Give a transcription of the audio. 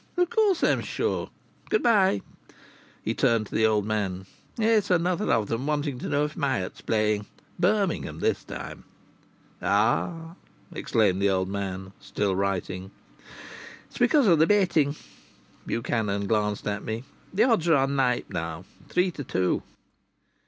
Of course I'm sure! Good bye." He turned to the old man: "It's another of 'em wanting to know if Myatt is playing. Birmingham, this time." "Ah!" exclaimed the old man, still writing. "It's because of the betting," Buchanan glanced at me. "The odds are on Knype now three to two."